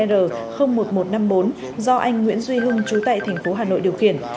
do anh nguyễn duy hưng chú tệ thành phố hà nội điều khiển